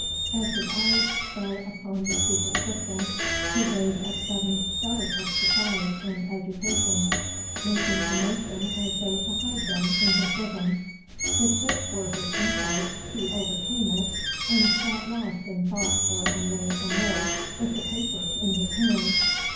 As his eyes fell upon the superscription, he gave a sudden start of surprise and agitation, making a motion as though to hide them in his bosom. If this were his impulse he overcame it, and sat lost in thought for a minute or more with the papers in his hand.